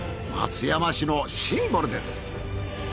松山市のシンボルです。